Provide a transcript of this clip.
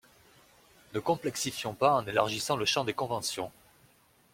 Ne complexifions pas en élargissant le champ des conventions.